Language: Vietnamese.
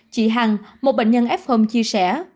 chị hằng một bệnh nhân f home chia sẻ